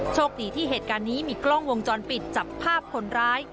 โชคดีที่เหตุการณ์นี้มีกล้องวงจรปิดจับภาพคนร้าย